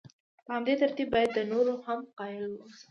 په همدې ترتیب باید د نورو لپاره هم قایل واوسم.